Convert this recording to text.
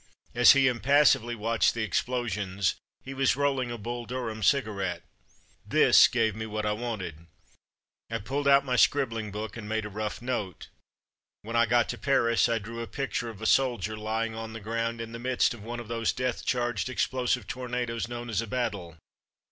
As he impassively watched the explosions, he was rolling a Bull Durham cigarette. This gave me what I wanted. I pulled out my scribbling book, and made a rough note. When I got to Paris, I drew a picture of a soldier lying on the ground in the midst of one of those death charged explosive tornadoes known as a battle.